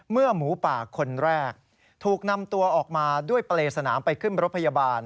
หมูป่าคนแรกถูกนำตัวออกมาด้วยเปรย์สนามไปขึ้นรถพยาบาล